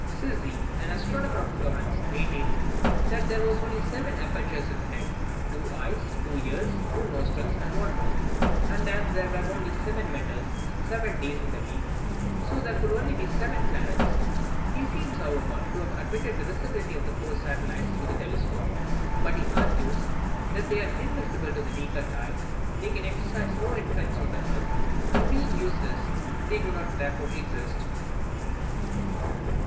Sizzi, an astronomer of Florence, maintained that as there were only seven apertures in the head two eyes, two ears, two nostrils, and one mouth and as there were only seven metals, and seven days in the week, so there could be only seven planets. He seems, however, to have admitted the visibility of the four satellites through the telescope; but he argues, that as they are invisible to the naked eye, they can exercise no influence on the earth; and being useless, they do not therefore exist.